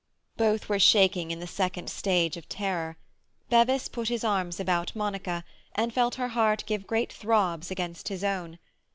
Both were shaking in the second stage of terror. Bevis put his arm about Monica, and felt her heart give great throbs against his own.